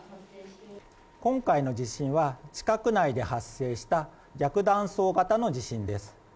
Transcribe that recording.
今回の地震は地殻内で発生した逆断層型の地震です。